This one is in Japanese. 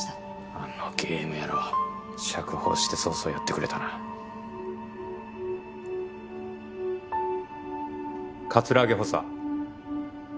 あのゲーム野郎釈放して早々やってくれたな葛城補佐